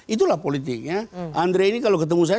itulah politiknya andre ini kalau ketemu saya